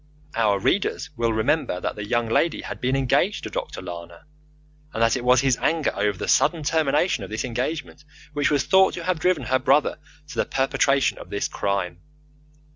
Our readers will remember that the young lady had been engaged to Dr. Lana, and that it was his anger over the sudden termination of this engagement which was thought to have driven her brother to the perpetration of this crime.